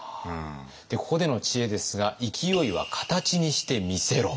ここでの知恵ですが「勢いは形にして見せろ！」。